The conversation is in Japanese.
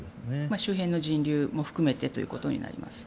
周辺の状況も含めてということになります。